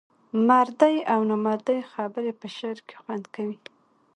مردۍ او نامردۍ خبري په شعر کې خوند کوي.